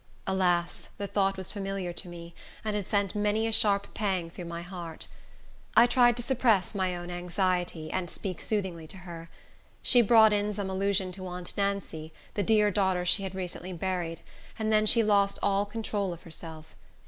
Alas, the thought was familiar to me, and had sent many a sharp pang through my heart. I tried to suppress my own anxiety, and speak soothingly to her. She brought in some allusion to aunt Nancy, the dear daughter she had recently buried, and then she lost all control of herself.